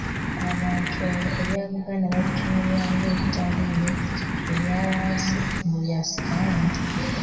Abantu olwo ebya Buganda babitunuulira ng’ebitaliimu, ebya wansi, mbu bya Sitaani